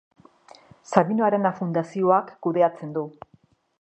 Sabino Arana Fundazioak kudeatzen du.